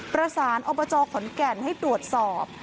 ประสานอบจขอนแก่นให้ตรวจสอบ